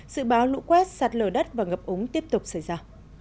dự báo lũ quét sạt lở đất và ngập úng tiếp tục xảy ra